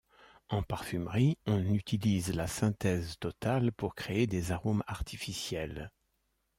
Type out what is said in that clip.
En parfumerie, on utilise la synthèse totale pour créer des arômes artificiels.